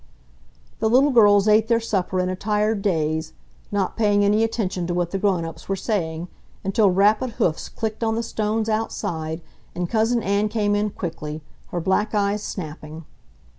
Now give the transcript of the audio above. The little girls ate their supper in a tired daze, not paying any attention to what the grown ups were saying, until rapid hoofs clicked on the stones outside and Cousin Ann came in quickly, her black eyes snapping.